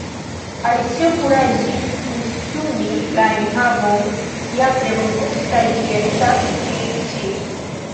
Alicio kuraĝis gustumi la enhavon. "Ja, tre bongusta ĝi estas," diris ŝi.